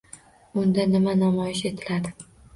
Unda nima namoyish etiladi?